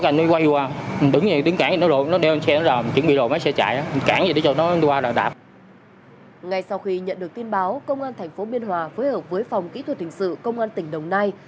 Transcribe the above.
ngày sau khi nhận được tin báo công an thành phố biên hòa phối hợp với phòng kỹ thuật hình sự công an tỉnh đồng nai